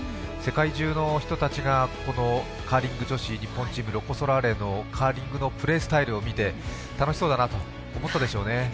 世界中の人たちがカーリング女子日本チーム、ロコ・ソラーレのカーリングのプレースタイルを見て楽しそうだなと思ったでしょうね。